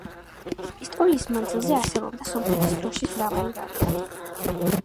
ისტორიის მანძილზე არსებობდა სომხეთის დროშის მრავალი ვარიანტი.